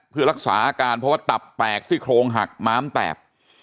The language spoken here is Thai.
เพื่อรักษาอาการเพราะว่าตับแตกซี่โครงหักม้ามแตก